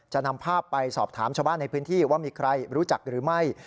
นำภาพไปสอบถามชาวบ้านในพื้นที่ว่ามีใครรู้จักหรือไม่